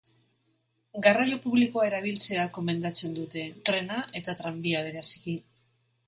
Garraio publikoa erabiltzea gomendatzen dute, trena eta tranbia bereziki.